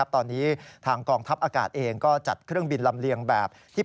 ตอนนี้ทางกองทัพอากาศเองก็จัดเครื่องบินลำเลียงแบบที่